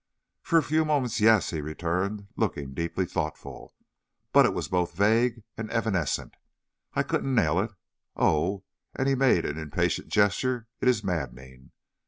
"For a few moments, yes;" he returned, looking deeply thoughtful. "But it was both vague and evanescent, I couldn't nail it. Oh!" and he made an impatient gesture, "it is maddening!